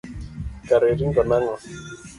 Kare iringo ang'o.